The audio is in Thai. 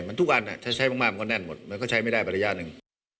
มันทุกวันถ้าใช้มากมันก็แน่นหมดมันก็ใช้ไม่ได้ไประยะหนึ่ง